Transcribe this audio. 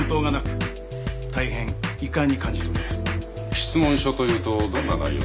質問書というとどんな内容の？